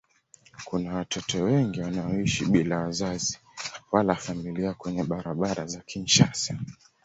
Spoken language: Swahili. Kuna watoto wengi wanaoishi bila wazazi wala familia kwenye barabara za Kinshasa.